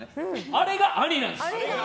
あれが「アニー」なんです。